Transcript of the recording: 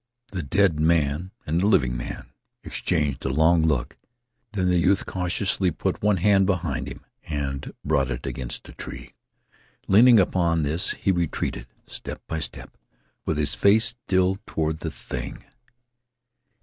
The dead man and the living man exchanged a long look. Then the youth cautiously put one hand behind him and brought it against a tree. Leaning upon this he retreated, step by step, with his face still toward the thing.